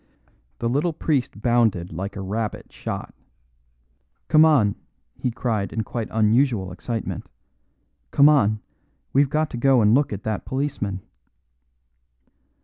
The little priest bounded like a rabbit shot. "Come on!" he cried in quite unusual excitement. "Come on! We've got to go and look at that policeman!"